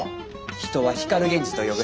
人は光源氏と呼ぶ。